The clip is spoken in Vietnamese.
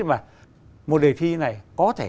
mà một đề thi như này có thể